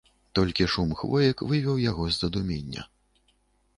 Толькі шум хвоек вывеў яго з задумення.